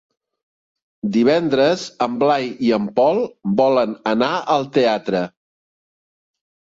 Divendres en Blai i en Pol volen anar al teatre.